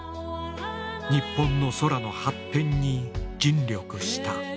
日本の空の発展に尽力した。